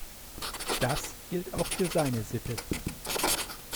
Das gilt auch für seine Sippe.